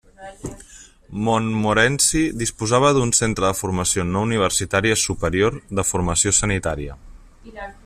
Montmorency disposava d'un centre de formació no universitària superior de formació sanitària.